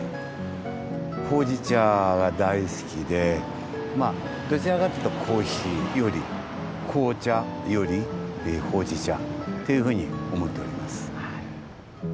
ほうじ茶は大好きでまあどちらかっていうとコーヒーより紅茶よりほうじ茶っていうふうに思っております。